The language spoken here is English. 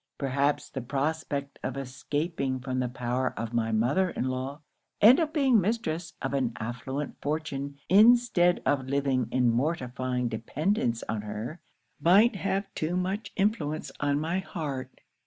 Perhaps the prospect of escaping from the power of my mother in law, and of being mistress of an affluent fortune instead of living in mortifying dependance on her, might have too much influence on my heart.